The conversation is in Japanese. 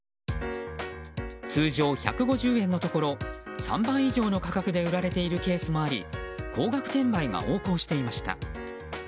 通常１５０円のところ３倍以上の価格で売られているケースもあり高額転売が横行していました。